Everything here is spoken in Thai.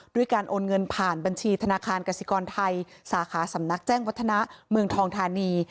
ด้วยการโอนเงินผ่านบัญชีธนาคารกสิกรไทยสาขาสำนักแจ้งวัฒนาเมืองทองธานี